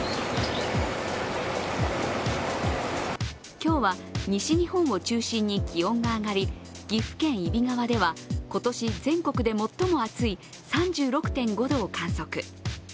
今日は西日本を中心に気温が上がり岐阜県揖斐川では今年全国で最も暑い３６．５度を観測。